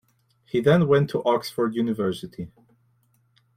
He then went to Oxford University.